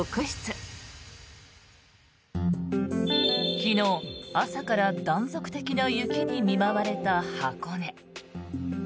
昨日、朝から断続的な雪に見舞われた箱根。